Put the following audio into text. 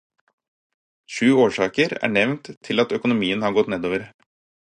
Sju årsaker er nevnt til at økonomien har gått nedover.